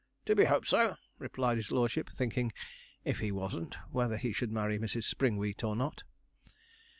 'To be hoped so,' replied his lordship, thinking, if he wasn't whether he should marry Mrs. Springwheat or not.